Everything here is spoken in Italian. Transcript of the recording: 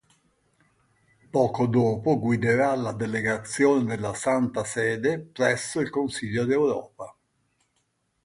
Poco dopo guiderà la delegazione della Santa Sede presso il Consiglio d'Europa.